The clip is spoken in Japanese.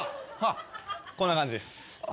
こんな感じです。